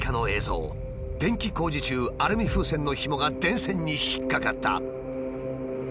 電気工事中アルミ風船のひもが電線に引っかかった。